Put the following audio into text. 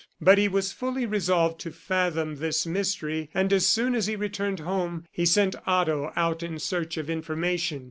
But he was fully resolved to fathom this mystery and as soon as he returned home he sent Otto out in search of information.